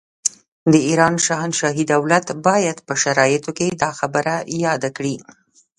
د ایران شاهنشاهي دولت باید په شرایطو کې دا خبره یاده کړي.